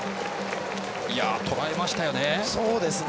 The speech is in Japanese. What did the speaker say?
とらえましたね。